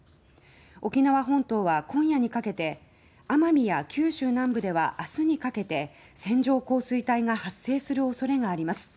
沖縄本島は今夜にかけて奄美や九州南部ではあすにかけて線状降水帯が発生するおそれがあります。